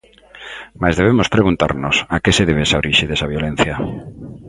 Mais debemos preguntarnos a que se debe esa orixe desa violencia.